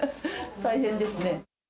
大変ですね。